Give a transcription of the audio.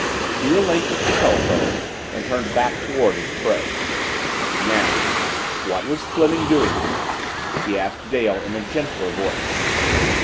He relinquished the telephone and turned back toward his prey. "Now, what was Fleming doing here?" he asked Dale in a gentler voice.